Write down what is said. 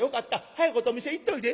早いことお店へ行っておいで」。